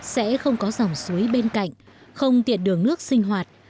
sẽ không có dòng suối bên cạnh không tiện đường nước sinh hoạt